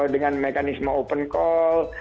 dengan mekanisme open call